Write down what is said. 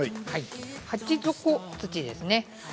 鉢底土ですね。